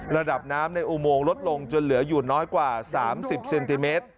ระดับน้ำในอุโมงลดลงจนเหลืออยู่น้อยกว่า๓๐เซนติเมตร